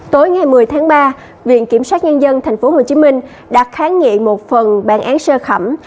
tối ngày một mươi tháng ba viện kiểm soát nhân dân tp hcm đặt kháng nghị một phần bản án sơ khẩm